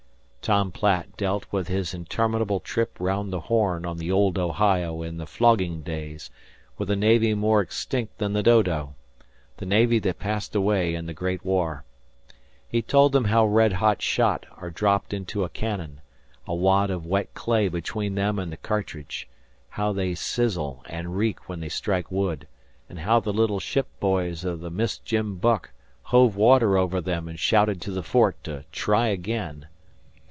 Tom Platt dealt with his interminable trip round the Horn on the old Ohio in flogging days, with a navy more extinct than the dodo the navy that passed away in the great war. He told them how red hot shot are dropped into a cannon, a wad of wet clay between them and the cartridge; how they sizzle and reek when they strike wood, and how the little ship boys of the Miss Jim Buck hove water over them and shouted to the fort to try again.